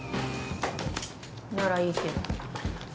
ならいいけど。